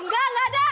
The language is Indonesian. enggak enggak ada